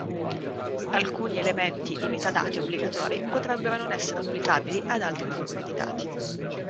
Alcuni elementi di metadati obbligatori potrebbero non essere applicabili ad altre forme di dati.